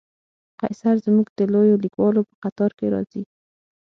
قیصر زموږ د لویو لیکوالو په قطار کې راځي.